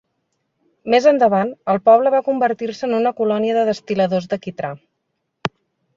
Més endavant, el poble va convertir-se en una colònia de destil·ladors de quitrà.